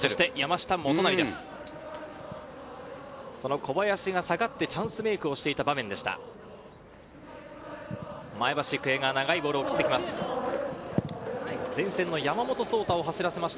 小林が下がってチャンスメークをしていた場面でした。